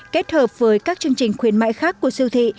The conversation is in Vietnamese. kết hợp với các chương trình khuyến mại khác của siêu thị